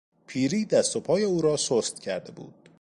پیری دست و پای او را سست کرده بود.